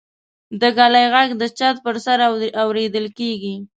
د ږلۍ غږ د چت پر سر اورېدل کېږي.